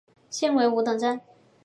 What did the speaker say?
现为五等站。